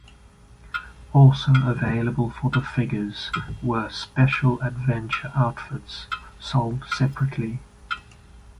Also available for the figures were special "adventure outfits", sold separately.